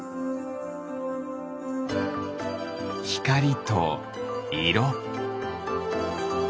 ひかりといろ。